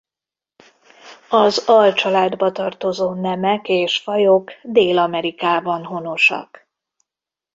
Az alcsaládba tartozó nemek és fajok Dél-Amerikában honosak.